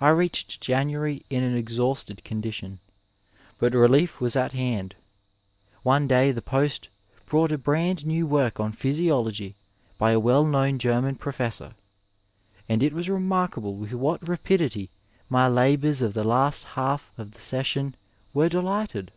I reached January in an exhausted condition, but relief was at hand. One day the post brought a brand new work on physiolc^ by a well known Gferman professor, 201 Digitized by Google AFTER TWENTY FIVE TEARS and it was remarkable with what rapidity my labours of the last half of the session were lightened.